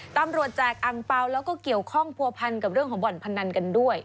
แจกอังเปล่าแล้วก็เกี่ยวข้องผัวพันกับเรื่องของบ่อนพนันกันด้วย